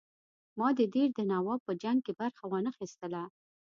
ما د دیر د نواب په جنګ کې برخه وانه خیستله.